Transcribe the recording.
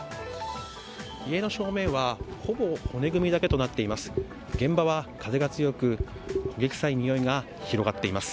家の正面はほぼ骨組みだけとなっています。